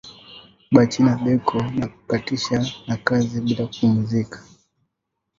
Ba china beko na katisha na kazi bila kupumuzika